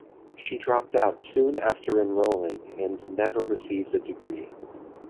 She dropped out soon after enrolling and never received a degree.